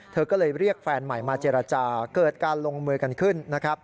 เธอก็เลยเรียกแฟนใหม่มาเจรจาเกิดการลงมือกันขึ้นนะครับ